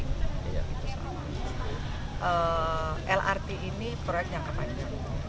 itu soal lrt ini proyek yang kepanjang